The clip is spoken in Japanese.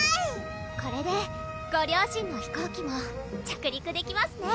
これでご両親の飛行機も着陸できますね！